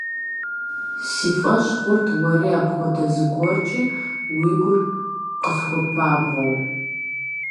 Си фӀэщ хъурт уэри апхуэдэ зыгуэркӀэ уи гур къысхуэпабгъэу.